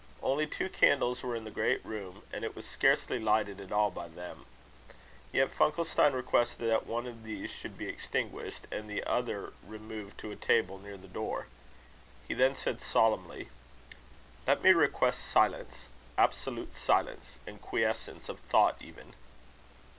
Only two candles were in the great room, and it was scarcely lighted at all by them; yet Funkelstein requested that one of these should be extinguished, and the other removed to a table near the door. He then said, solemnly: "Let me request silence, absolute silence, and quiescence of thought even."